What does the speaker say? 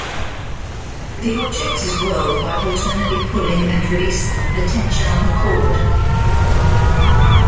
The object is whirled by alternately pulling and releasing the tension on the cord.